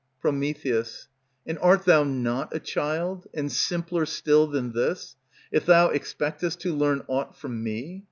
Pr. And art thou not a child, and simpler still than this, If thou expectest to learn aught from me?